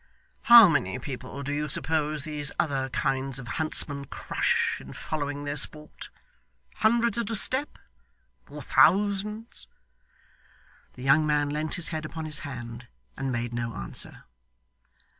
How many people do you suppose these other kinds of huntsmen crush in following their sport hundreds at a step? Or thousands?' The young man leant his head upon his hand, and made no answer.